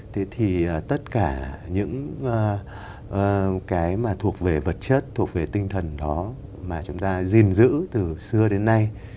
thế thì tất cả những cái mà thuộc về vật chất thuộc về tinh thần đó mà chúng ta gìn giữ từ xưa đến nay